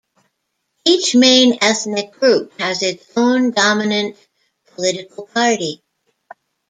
Each main ethnic group has its own dominant political party.